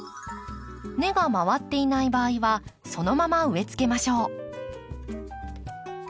根が回っていない場合はそのまま植えつけましょう。